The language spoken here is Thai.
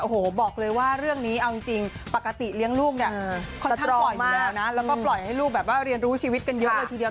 โอ้โหบอกเลยว่าเรื่องนี้เอาจริงปกติเลี้ยงลูกเนี่ยค่อนข้างปล่อยอยู่แล้วนะแล้วก็ปล่อยให้ลูกแบบว่าเรียนรู้ชีวิตกันเยอะเลยทีเดียว